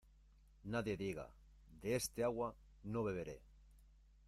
Nadie diga "de esta agua no beberé".